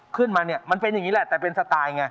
ขึ้นมาเนี่ยมันเป็นอย่างนี้แหละแต่เป็นสไตล์ไง